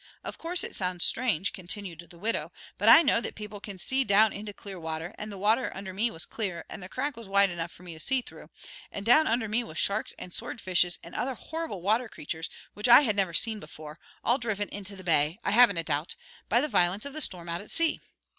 "Of course it sounds strange," continued the widow, "but I know that people can see down into clear water, and the water under me was clear, and the crack was wide enough for me to see through, and down under me was sharks and swordfishes and other horrible water creatures, which I had never seen before, all driven into the bay, I haven't a doubt, by the violence of the storm out at sea.